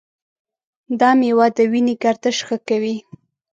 دا میوه د وینې گردش ښه کوي.